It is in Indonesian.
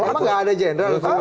emang nggak ada general